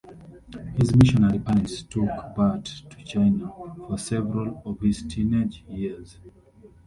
His missionary parents took Burtt to China for several of his teenage years.